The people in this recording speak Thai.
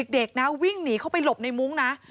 เด็กนะวิ่งหนีเข้าไปหลบในมุ้งนะ